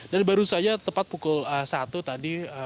dan baru saja tepat pukul satu tadi